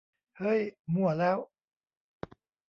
เฮ้ยมั่วแล้ว